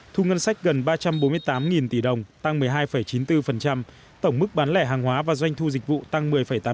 thu ngân sách gần ba trăm bốn mươi tám tỷ đồng tăng một mươi hai chín mươi bốn tổng mức bán lẻ hàng hóa và doanh thu dịch vụ tăng một mươi tám mươi tám